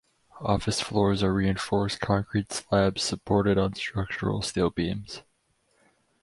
Office floors are reinforced concrete slabs supported on structural steel beams.